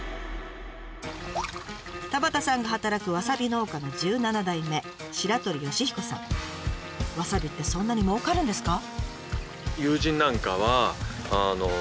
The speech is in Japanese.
田端さんが働くわさび農家の１７代目わさびってそんなにもうかるんですか？